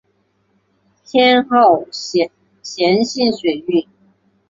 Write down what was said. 偏好咸性水域。